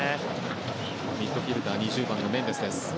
ミッドフィールダー２０番、メンデスです。